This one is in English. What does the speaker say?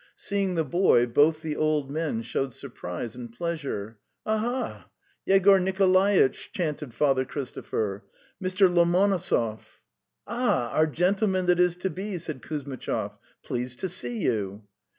Seeing the boy, both the old men showed surprise and pleasure. "Aha! Yegor Ni ko la aitch!'' chanted Father Christopher. '' Mr. Lomonosov! "' 'Ah, our gentleman that is to be, chov, " pleased to see you!